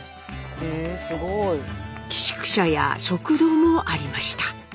すごい！寄宿舎や食堂もありました。